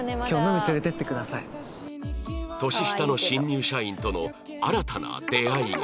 年下の新入社員との新たな出会いが